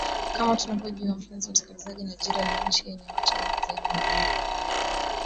kama tunavyojua mpenzi msikilizaji nigeria ni nchi yenye watu wengi zaidi barani afrika